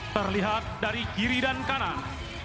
terlihat dari kiri dan kanan